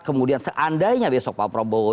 kemudian seandainya besok pak prabowo